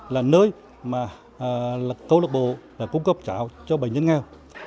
là câu lạc bộ đã cung cấp chảo cho bệnh nhân nghèo